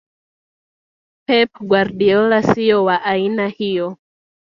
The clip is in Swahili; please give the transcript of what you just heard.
Pep Guardiola sio wa aina hiyo